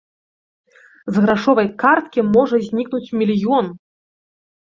З грашовай карткі можа знікнуць мільён!